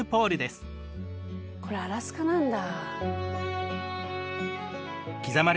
これアラスカなんだ。